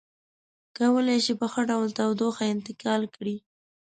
کولی شي په ښه ډول تودوخه انتقال کړي.